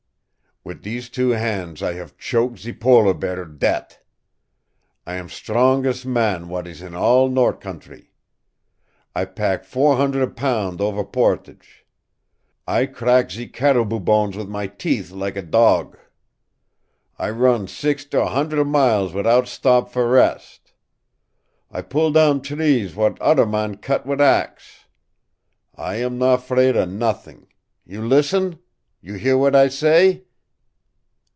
Wit' these two hands I have choke' ze polar bear to deat'. I am strongest man w'at ees in all nort' countree. I pack four hundre' pound ovair portage. I crack ze caribou bones wit' my teeth, lak a dog. I run sixt' or hundre' miles wit'out stop for rest. I pull down trees w'at oder man cut wit' axe. I am not 'fraid of not'ing. You lissen? You hear w'at I say?"